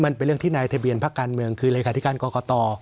มันเป็นเรื่องที่นายทะเบียนพักการเมืองคือเลขาธิการกรกต